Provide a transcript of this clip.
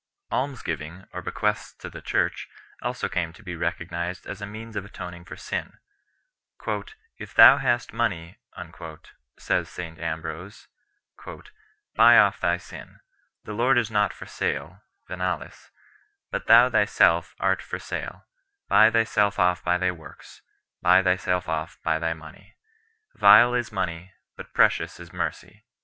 Almsgiving, or bequests to the Church, also came to be recognised as a means of atoning for sin. "If thou hast money," says St Ambrose 5 , "buy off thy sin. The Lord is not for sale (venalis), but thou thyself art for sale; buy thyself off by thy works, buy thyself off by thy money 6 . Vile is money, but precious is mercy."